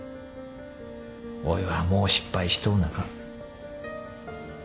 おいはもう失敗しとうなか。